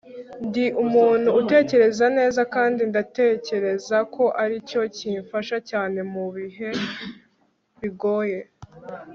ndi umuntu utekereza neza, kandi ndatekereza ko aricyo kimfasha cyane mu bihe bigoye